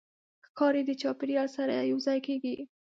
ښکاري د چاپېریال سره یوځای کېږي.